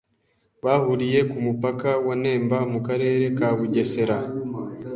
bahuriye ku mupaka wa Nemba mu Karere ka Bugesera